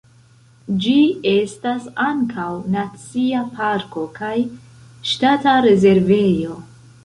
Ĝi estas ankaŭ nacia parko kaj ŝtata rezervejo.